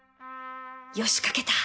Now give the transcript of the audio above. よし書けた